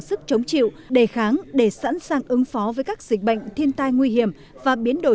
sức chống chịu đề kháng để sẵn sàng ứng phó với các dịch bệnh thiên tai nguy hiểm và biến đổi